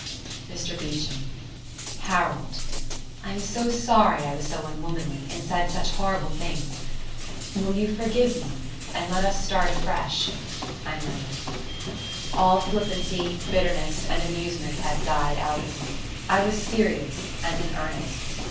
"Mr Beecham, Harold, I am so sorry I was so unwomanly, and said such horrible things. Will you forgive me, and let us start afresh?" I murmured. All flippancy, bitterness, and amusement had died out of me; I was serious and in earnest.